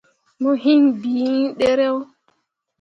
Mo hiŋ bii iŋ dǝyeero.